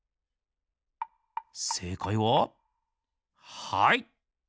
せいかいははい！